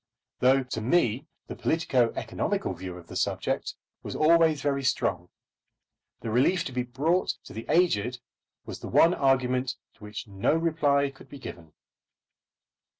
Though to me the politico economical view of the subject was always very strong, the relief to be brought to the aged was the one argument to which no reply could be given.